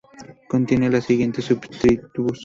Contiene las siguientes subtribus.